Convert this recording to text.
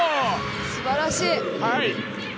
すばらしい！